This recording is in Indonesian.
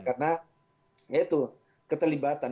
karena ya itu keterlibatan